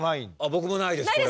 僕もないですそれは。